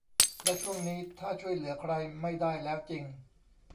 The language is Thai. และช่วงนี้ถ้าช่วยเหลือใครไม่ได้แล้วจริง